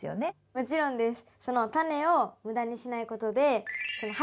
もちろんです。